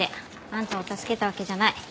あんたを助けたわけじゃない。